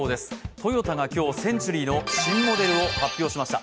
トヨタが今日、センチュリーの新モデルを発表しました。